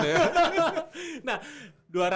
banyak juga diskonnya